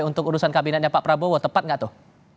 untuk urusan kabinetnya pak prabowo tepat gak tuh